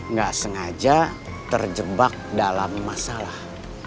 nggak sengaja terjebak dalam masalah